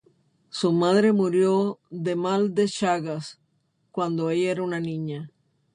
Su madre murió de Mal de Chagas cuando ella era una niña.